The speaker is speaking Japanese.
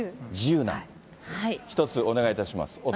自由な、一つお願いいたします。